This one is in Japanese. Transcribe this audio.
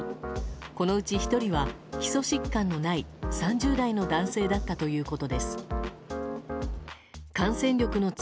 このうち１人は基礎疾患のない３０代の男性だったということです。